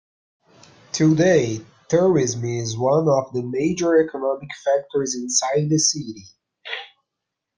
Today, tourism is one of the major economic factors inside the city.